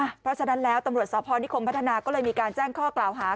เพราะฉะนั้นแล้วตำรวจสพนิคมพัฒนาก็เลยมีการแจ้งข้อกล่าวหา